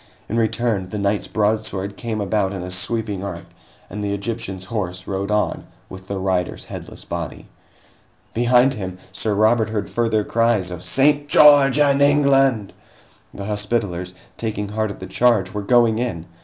In return, the knight's broadsword came about in a sweeping arc, and the Egyptian's horse rode on with the rider's headless body. Behind him, Sir Robert heard further cries of "St. George and England!" The Hospitallers, taking heart at the charge, were going in!